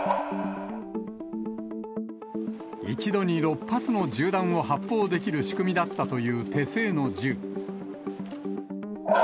一度に６発の銃弾を発砲できる仕組みだったという手製の銃。